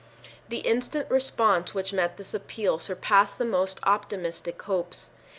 The instant response which met this appeal surpassed the most optimistic hopes.